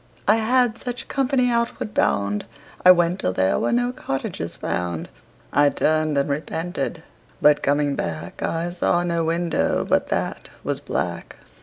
I had such company outward bound. I went till there were no cottages found. I turned and repented, but coming back I saw no window but that was black.